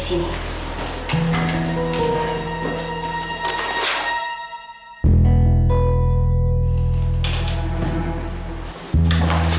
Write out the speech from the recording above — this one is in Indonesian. pasti tuh surat ada disini